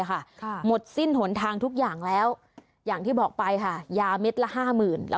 หมดสิ้นถนทางทุกอย่างแล้วอย่างที่บอกไปยามัดละห้ามื่น